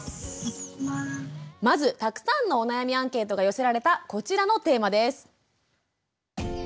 まずたくさんのお悩みアンケートが寄せられたこちらのテーマです。